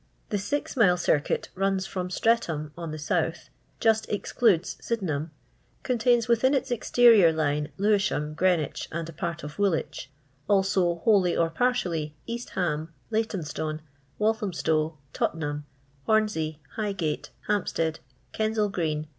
The S^MiU CirtU mm from Streatham (on the south); just excludes Sydenham; contains within its exterior line Lewisham, Greenwich, and a part of Woolnkh ; also, wholly or partially. East Ham, Laytonstone, Walthamstow, Totten ham, Homsey, Highgate, Hampstead, Eensall green.